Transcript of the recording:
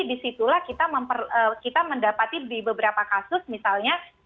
disitulah kita mendapati di beberapa kasus misalnya